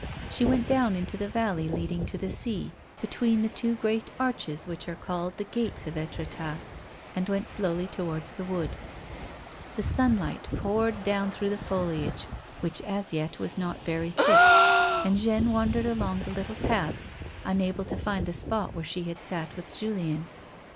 She went down into the valley leading to the sea, between the two great arches which are called the gates of ^^tretat, and went slowly towards the wood. The sunlight poured down through the foliage which, as j^et, was not very thick, and Jeanne wandered along tlie little paths unaljle to find the spot where she had sat with A WOMAN'S LIFE. 145 Julien.